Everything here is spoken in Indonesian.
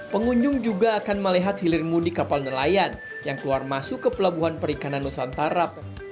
pengunjung juga akan melihat hilir mudik kapal nelayan yang keluar masuk ke pelabuhan perikanan nusantara